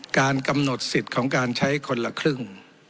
การกำหนดสิทธิ์ของการใช้คนละครึ่ง